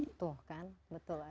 betul kan betul